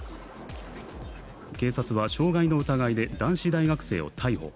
警察は傷害の疑いで男子大学生を逮捕。